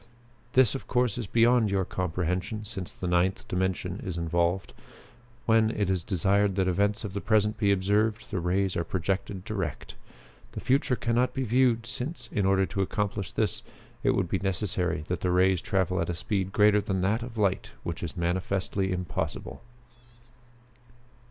This, of course, is beyond your comprehension, since the Ninth Dimension is involved. When it is desired that events of the present be observed, the rays are projected direct. The future can not be viewed, since, in order to accomplish this, it would be necessary that the rays travel at a speed greater than that of light, which is manifestly impossible."